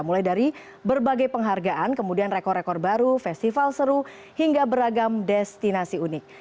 mulai dari berbagai penghargaan kemudian rekor rekor baru festival seru hingga beragam destinasi unik